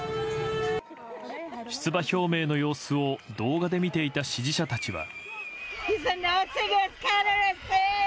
出馬表明の様子を動画で見ていた支持者たちは。